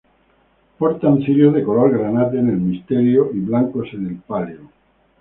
Portan cirio de color granate en el misterio y blancos en el palio.